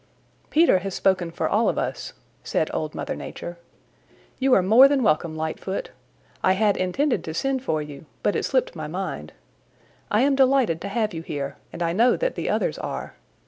"Peter has spoken for all of us," said Old Mother Nature. "You are more than welcome, Lightfoot. I had intended to send for you, but it slipped my mind. I am delighted to have you here and I know that the others are.